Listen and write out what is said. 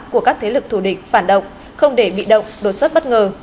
của các thế lực thù địch phản động không để bị động đột xuất bất ngờ